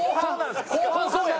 後半そうや。